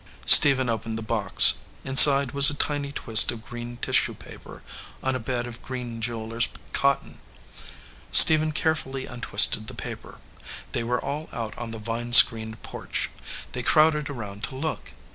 Stephen opened the box. Inside was a tiny twist of green tissue paper on a bed of green jeweler s cotton. Stephen carefully untwisted the paper. They were all out on the vine screened porch. They crowded around to look.